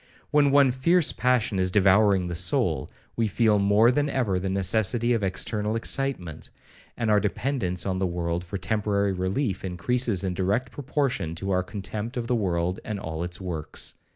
When one fierce passion is devouring the soul, we feel more than ever the necessity of external excitement; and our dependence on the world for temporary relief increases in direct proportion to our contempt of the world and all its works.